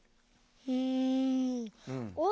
うん。